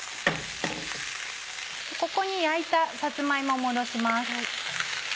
ここに焼いたさつま芋戻します。